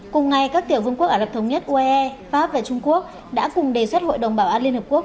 cùng ngày các tiểu vương quốc ả rập thống nhất uae pháp và trung quốc đã cùng đề xuất hội đồng bảo an liên hợp quốc